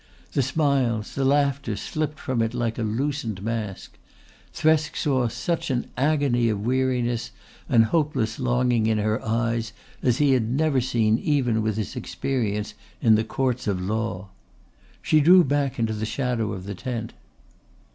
The smiles, the laughter slipped from it like a loosened mask. Thresk saw such an agony of weariness and hopeless longing in her eyes as he had never seen even with his experience in the Courts of Law. She drew back into the shadow of the tent.